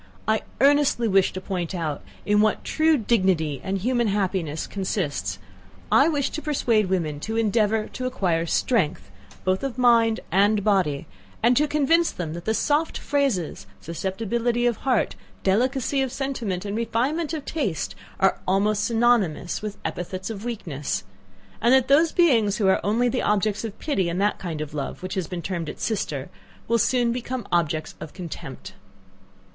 I earnestly wish to point out in what true dignity and human happiness consists I wish to persuade women to endeavour to acquire strength, both of mind and body, and to convince them, that the soft phrases, susceptibility of heart, delicacy of sentiment, and refinement of taste, are almost synonymous with epithets of weakness, and that those beings who are only the objects of pity and that kind of love, which has been termed its sister, will soon become objects of contempt.